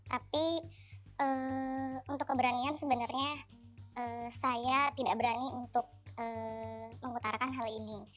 tapi untuk keberanian sebenarnya saya tidak berani untuk mengutarakan hal ini